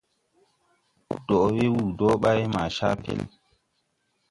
Dɔʼ wee wuu dɔɔ ɓay maa caa pel.